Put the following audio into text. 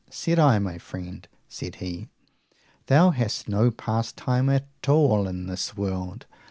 said I. My friend, said he, thou hast no pastime at all in this world.